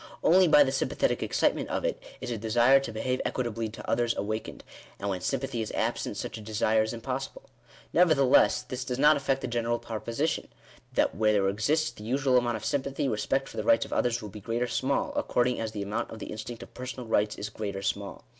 Only by the sympathetic excitement of it, is a desire to behave equitably to others awakened; and when sympathy is absent such a desire is ^impossible. Nevertheless this does not affect the general 1 proposition, that where there exists the usual amount of ! sympathy, respect for the rights of others will be great or small, according as the amount of the instinct of personal rights is great or small.